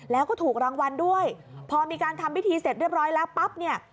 แล้วก็ถูกรางวัลด้วยพอมีการทำพิธีเสร็จเรียบร้อยแล้วปั๊บเนี่ย